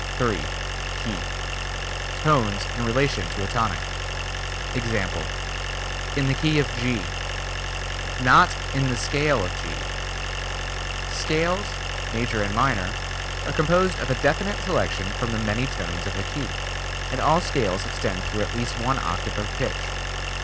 3. Key: Tones in relation to a tonic. Example: In the key of G. Not in the scale of G. Scales, major and minor are composed of a definite selection from the many tones of the key, and all scales extend through at least one octave of pitch.